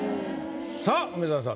さあ梅沢さん